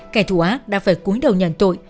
kẻ thù ác đã phải cuối đầu nhận tội